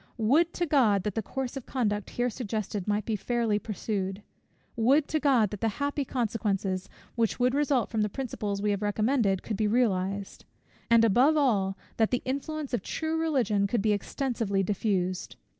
Would to God that the course of conduct here suggested might be fairly pursued! Would to God that the happy consequences, which would result from the principles we have recommended, could be realized; and above all, that the influence of true Religion could be extensively diffused!